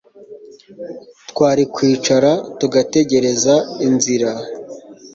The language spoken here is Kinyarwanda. twari kwicara tugatekereza inzira